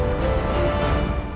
xin chào và hẹn gặp lại